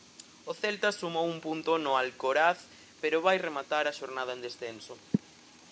O Celta sumou un punto no Alcoraz, pero vai rematar a xornada en descenso.